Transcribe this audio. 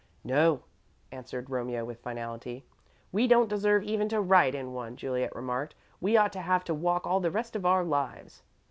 "No," answered Romeo, with finality. "We don't deserve even to ride in one," Juliet remarked. "We ought to have to walk all the rest of our lives."